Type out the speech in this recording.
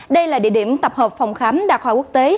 đây là địa điểm tập hợp phòng khám đặc hòa quốc tế